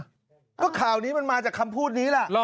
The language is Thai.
ก็ข่าวนี้มันมาจากคำพูดนี้ล่ะ